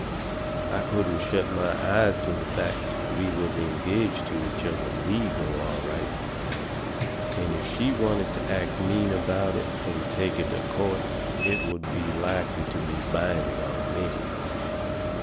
I couldn't shut my eyes to the fact we was engaged to each other legal, all right. And if she wanted to act mean about it and take it to a court it would likely be binding on me.